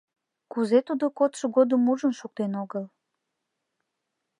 Кузе тудо кодшо годым ужын шуктен огыл?